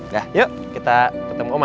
dah yuk kita ketemu oma